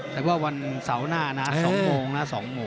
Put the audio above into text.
แต่ว่าวันเสาร์หน้านะ๒โมงนะ๒โมง